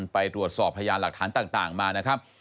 ไปตรวจสอบพยานหลักฐานต่างมานะครับ